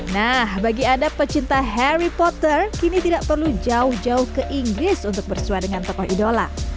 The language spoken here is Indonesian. nah bagi anda pecinta harry potter kini tidak perlu jauh jauh ke inggris untuk bersuara dengan tokoh idola